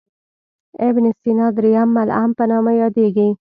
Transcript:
ابن سینا درېم معلم په نامه یادیږي.